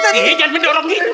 udah gue mendorong